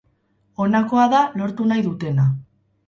Honakoa da lortu nahi dutena.